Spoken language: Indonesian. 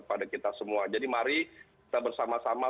pada kita semua jadi mari kita bersama sama